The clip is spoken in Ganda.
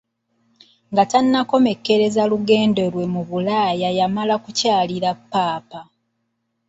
Nga tannakomekkereza lugendo lwe mu Bulaaya yamala kukyalira Papa.